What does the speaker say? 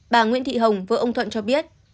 bà nguyễn thị hồng vợ ông thuận cho biết